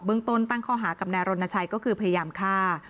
เบื้องต้นตั้งครอบหากับนารรณชัยคือพยายามฆ่า